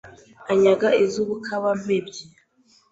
Anyaga iz'i Bukabampembyi